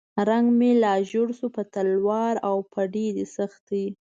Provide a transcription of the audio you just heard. رنګ مې لا ژیړ شو په تلوار او په ډېرې سختۍ.